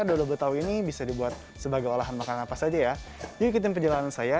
dodol betawi ini bisa dibuat sebagai olahan makanan apa saja ya yukitin penjelangan saya